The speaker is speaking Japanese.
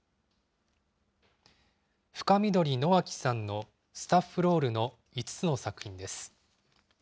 深緑野分さんのスタッフロールの５つの作品です。